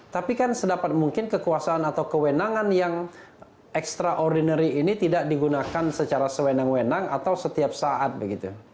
tapi kan sedapat mungkin kekuasaan atau kewenangan yang extraordinary ini tidak digunakan secara sewenang wenang atau setiap saat begitu